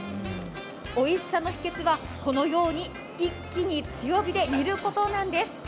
おいしさの秘けつは、このように一気に強火で煮ることです。